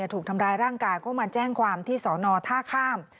ถูกทำร้ายร่างกายก็มาแจ้งความที่สอนอท่าข้าม